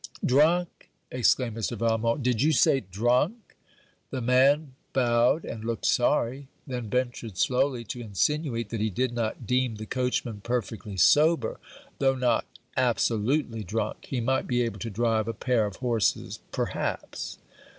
'Drunk!' exclaimed Mr. Valmont. 'Did you say, drunk?' The man bowed and looked sorry; then ventured slowly to insinuate that he did not deem the coachman perfectly sober, though not absolutely drunk. He might be able to drive a pair of horses perhaps.